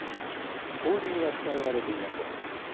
後任は伝えられていません。